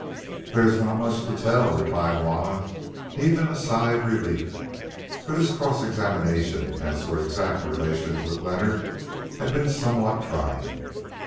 "There is not much to tell," replied Juanna, heaving a sigh of relief, for this cross examination as to her exact relations with Leonard had been somewhat trying.